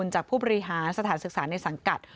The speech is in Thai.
จากผู้บริหารสถานศึกษาในสังกัด